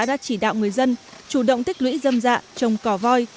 chính quyền xã đã chỉ đạo người dân chủ động thích lũy dâm dạ trồng cỏ voi